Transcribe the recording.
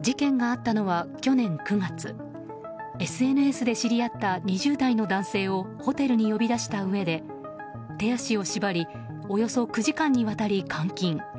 事件があったのは去年９月ＳＮＳで知り合った２０代の男性をホテルに呼び出したうえで手足を縛りおよそ９時間にわたり監禁。